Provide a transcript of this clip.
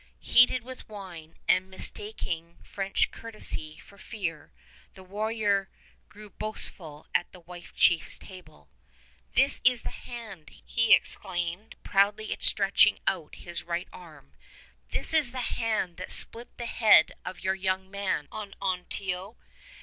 Heated with wine and mistaking French courtesy for fear, the warrior grew boastful at the white chief's table. "This is the hand," he exclaimed, proudly stretching out his right arm, "this is the hand that split the head of your young man, O Onontio!"